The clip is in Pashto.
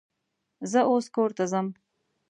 زه اوس کور ته ځم